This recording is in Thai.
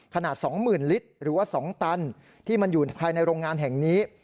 ขนาด๒๐๐๐ลิตรหรือว่า๒ตันที่มันอยู่ภายในโรงงานแห่งนี้